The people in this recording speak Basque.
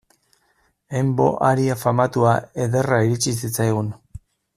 En vo aria famatua ederra iritsi zitzaigun.